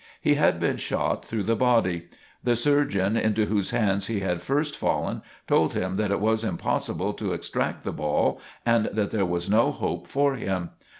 He had been shot through the body. The surgeon into whose hands he had first fallen told him that it was impossible to extract the ball and that there was no hope for him.